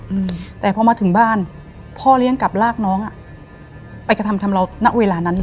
อืมแต่พอมาถึงบ้านพ่อเลี้ยงกลับลากน้องอ่ะไปกระทำทำเราณเวลานั้นเลย